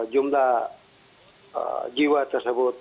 jumlah jiwa tersebut